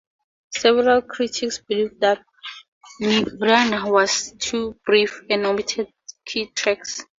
Several critics believed that "Nirvana" was too brief, and omitted key tracks.